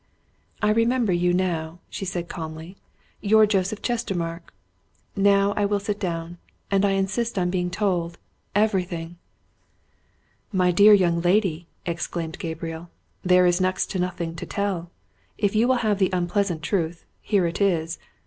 "I remember you now," she said calmly. "You're Joseph Chestermarke. Now I will sit down. And I insist on being told everything!" "My dear young lady!" exclaimed Gabriel, "there is next to nothing to tell. If you will have the unpleasant truth, here it is.